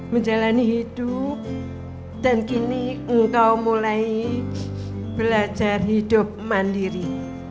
menjalani hidup dan kini engkau mulai belajar hidup mandiri